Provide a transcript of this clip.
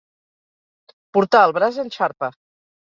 Portar el braç en xarpa.